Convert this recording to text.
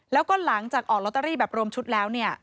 แล้วก็หลังจากออกลอตเตอรี่แบบรวมชุดแล้วเนี่ย